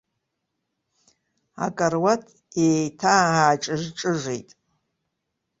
Акаруаҭ еиҭааҿыж-ҿыжит.